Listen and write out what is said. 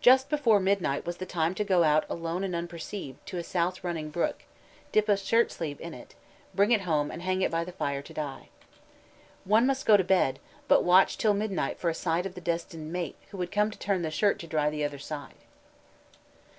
Just before midnight was the time to go out "alone and unperceived" to a south running brook, dip a shirt sleeve in it, bring it home and hang it by the fire to dry. One must go to bed, but watch till midnight for a sight of the destined mate who would come to turn the shirt to dry the other side.